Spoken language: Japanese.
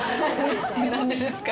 何でですか？